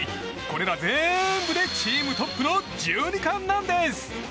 これら全部でチームトップの１２冠なんです！